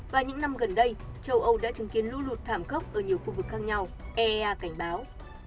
và những năm gần đây châu âu đã chứng kiến lũ lụt thảm khốc ở nhiều khu vực khác nhau eaea cảnh báo